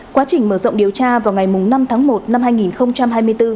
quá trình mở rộng điều tra vào ngày năm tháng một năm hai nghìn hai mươi bốn